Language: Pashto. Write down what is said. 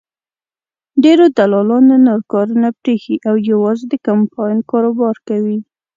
ډېرو دلالانو نور کارونه پرېښي او یوازې د کمپاین کاروبار کوي.